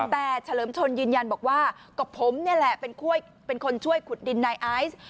แต่เฉลิมชนยืนยันบอกว่าก็ผมนี่แหละเป็นคนช่วยขุดดินนายไอซ์